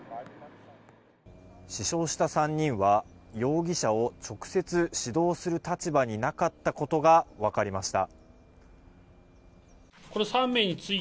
死傷した３人は容疑者を直接指導する立場になかったことが分かりました。